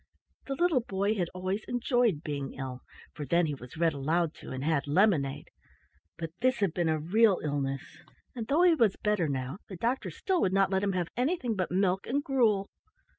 The little boy had always enjoyed being ill, for then he was read aloud to and had lemonade, but this had been a real illness, and though he was better now, the doctor still would not let him have anything but milk and gruel.